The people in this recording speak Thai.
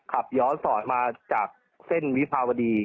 ขับย้อนสอนมาจากเส้นวิภาวดี